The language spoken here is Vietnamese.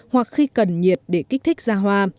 hoặc khi cần nhiệt để kích thích ra hoa